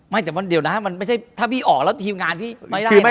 ไม่แต่เดี๋ยวนะถ้าพี่ออกแล้วทีมงานพี่ไม่ได้นะ